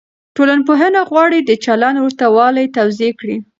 ټولنپوهنه غواړي د چلند ورته والی توضيح کړي.